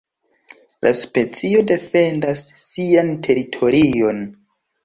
La specio defendas sian teritorion.